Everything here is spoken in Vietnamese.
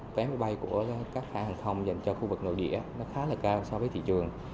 phép bay của các khách hàng hàng không dành cho khu vực nội địa nó khá là cao so với thị trường